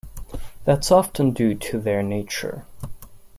That's often due to their nature.